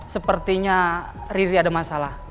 sepertinya riri ada masalah